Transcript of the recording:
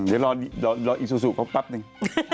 เดี๋ยวรออีกสู่พร้อมนึง